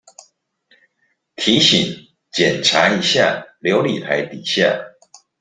提醒檢查一下流理台底下